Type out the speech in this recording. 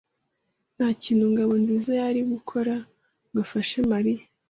Nta kintu Ngabonziza yari gukora ngo afashe Mariya.